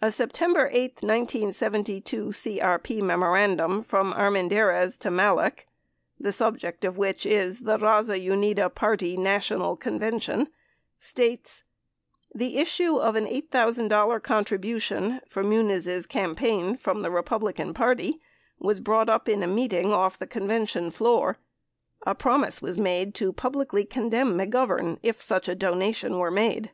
35 A September 8, 1972, CBP memorandum from Armendariz to Malek, the subject of which is "The Baza Unida Party National Con vention," states : The issue of an $8,000 contribution for Muniz' campaign from the Bepublican party was brought up in a meeting off the convention floor. A promise was made to publicly con demn McGovern if such a donation were made.